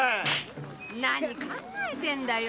何を考えてんだよ